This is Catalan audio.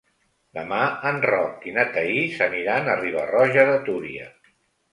Demà en Roc i na Thaís aniran a Riba-roja de Túria.